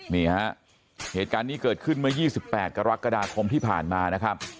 นี่ฮะเหตุการณ์นี้เกิดขึ้นเมื่อ๒๘กรกฎาคมที่ผ่านมานะครับ